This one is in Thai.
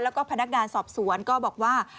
แล้วก็พนักงานสอบสวนก็บอกว่า